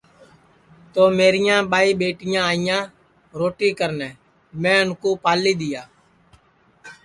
تو میریاں ٻائی ٻیٹیاں آئیاں روٹی کرنے میں اُن کُو منا کری دؔیا